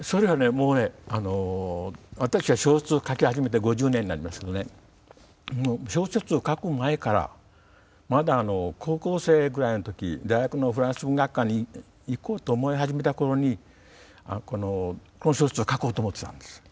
もうねあの私は小説を書き始めて５０年になりますけどね小説を書く前からまだ高校生ぐらいのとき大学のフランス文学科に行こうと思い始めたころにこの小説を書こうと思ってたんです。